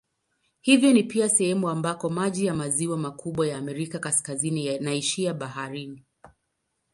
Hivyo ni pia sehemu ambako maji ya maziwa makubwa ya Amerika Kaskazini yanaishia baharini.